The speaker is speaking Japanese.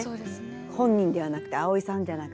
本人ではなくて蒼依さんじゃなくて。